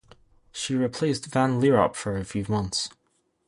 She replaced Van Lierop for a few months.